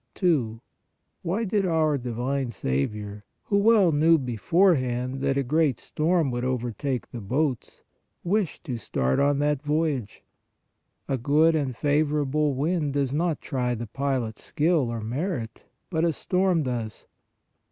2. Why did our divine Saviour, who well knew beforehand that a great storm would overtake the boats, wish to start on that voyage? A good and favorable wind does not try the pilot s skill or merit, but a storm does.